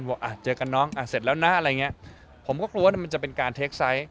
บอกอ่ะเจอกันน้องอ่ะเสร็จแล้วนะอะไรอย่างเงี้ยผมก็กลัวว่ามันจะเป็นการเทคไซต์